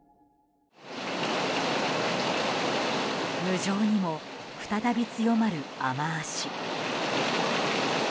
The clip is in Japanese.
無情にも再び強まる雨脚。